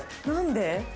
なんで？